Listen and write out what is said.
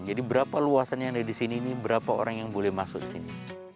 jadi berapa luasannya ada di sini berapa orang yang boleh masuk di sini